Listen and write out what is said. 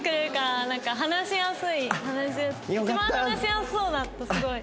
一番話しやすそうだったすごい。